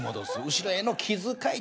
後ろへの気遣い